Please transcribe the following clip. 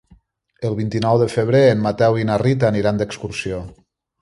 El vint-i-nou de febrer en Mateu i na Rita aniran d'excursió.